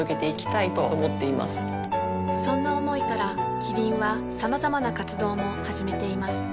そんな思いからキリンはさまざまな活動も始めています